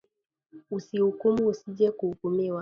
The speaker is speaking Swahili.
Usi hukumu usije kuhukumiwa